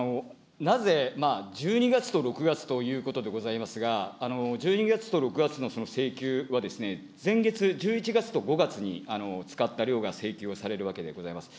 なぜ１２月と６月ということでございますが、１２月と６月の請求はですね、前月、１１月と５月に使った量が請求をされるわけでございます。